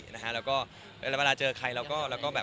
นะหะแล้วก็มีเวลาเจอใครเราก็